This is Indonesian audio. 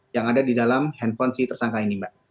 yang ada di dalam handphone si tersangka ini mbak